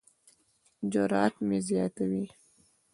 جرات مې زیاتوي.